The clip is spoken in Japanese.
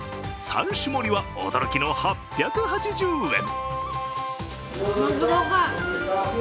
３種盛りは驚きの８８０円。